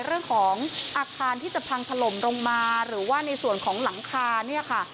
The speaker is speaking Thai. เรื่องของอาคารที่จะพังถล่มลงมาหรือว่าในส่วนของหลังคาเนี่ยค่ะ